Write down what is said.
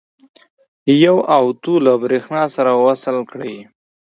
یو اوتو له برېښنا سره وصل کړئ.